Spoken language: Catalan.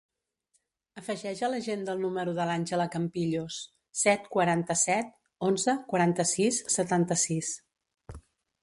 Afegeix a l'agenda el número de l'Àngela Campillos: set, quaranta-set, onze, quaranta-sis, setanta-sis.